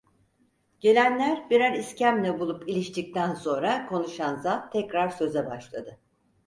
Gelenler birer iskemle bulup iliştikten sonra konuşan zat tekrar söze başladı.